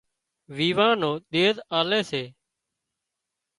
ويوان نو ۮيز لئي آلي سي